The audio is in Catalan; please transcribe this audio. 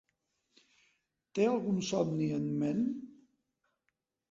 Té algun somni en ment?